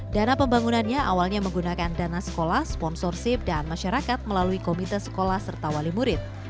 dana pembangunannya awalnya menggunakan dana sekolah sponsorship dan masyarakat melalui komite sekolah serta wali murid